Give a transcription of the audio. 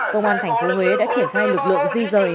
công an tp huế đã triển khai lực lượng di rời